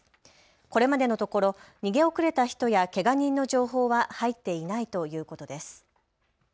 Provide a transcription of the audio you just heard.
これまでのところ逃げ遅れた人やけが人の情報は入っていないということです。